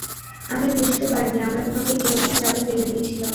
আমি বুঝতে পারিনি আমরা তোমাকে কিরকম চাপে ফেলে দিয়েছিলাম।